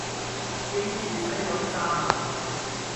記住洗咗啲衫呀